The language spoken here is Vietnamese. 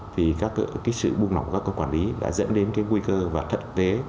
thì các cái sự buông lỏng của các cơ quan lý đã dẫn đến cái nguy cơ và thật tế